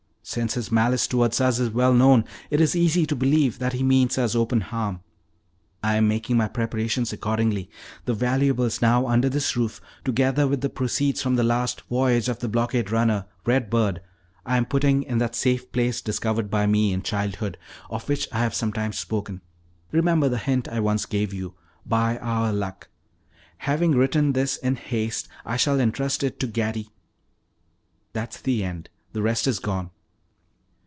Since his malice towards us is well known, it is easy to believe that he means us open harm. I am making my preparations accordingly. The valuables now under this roof, together with the proceeds from the last voyage of the blockade runner, Red Bird, I am putting in that safe place discovered by me in childhood, of which I have sometimes spoken. Remember the hint I once gave you By Our Luck. Having written this in haste, I shall intrust it to Gatty " "That's the end; the rest is gone."